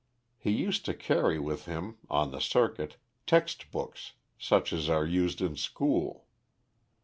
He used to carry with him, on the circuit, text books such as are used in school.